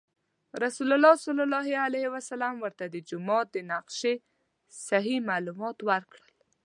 رسول الله صلی الله علیه وسلم ورته د جومات د نقشې صحیح معلومات ورکړل.